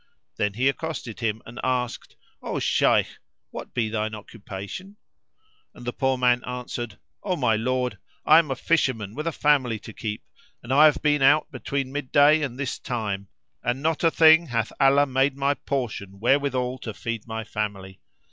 Then he accosted him and asked, "O Shaykh, what be thine occupation?" and the poor man answered, "O my lord, I am a fisherman with a family to keep and I have been out between mid day and this time; and not a thing hath Allah made my portion wherewithal to feed my family.